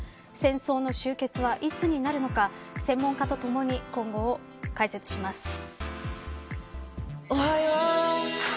戦争の終結はいつになるのか専門家とともに今後を解説します。